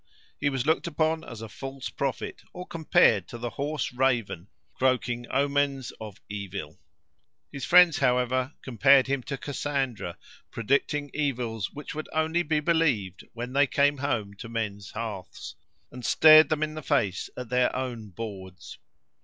He was looked upon as a false prophet, or compared to the hoarse raven, croaking omens of evil. His friends, however, compared him to Cassandra, predicting evils which would only be believed when they came home to men's hearths, and stared them in the face at their own boards.